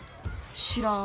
知らん。